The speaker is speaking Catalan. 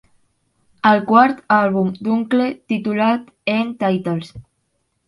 El quart àlbum d'Unkle titulat End Titles...